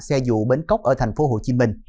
xe dụ bến cốc ở thành phố hồ chí minh